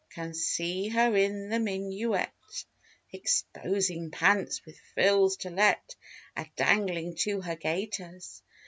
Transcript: Can see her in the minuet 131 Exposing "pants" with frills to let A dangling to her gaiters.